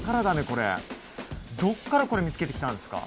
これどっからこれ見つけてきたんですか？